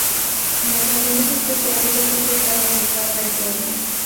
En ocasiones especiales se sirve carne de cabra y pollo.